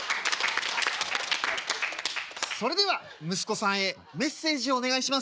「それでは息子さんへメッセージをお願いします」。